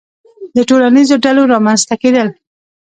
• د ټولنیزو ډلو رامنځته کېدل.